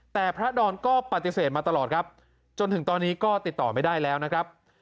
แต่พระดอนก็ปฏิเสธมาตลอดครับจนถึงตอนนี้ก็ติดต่อไม่ได้แล้วนะครับ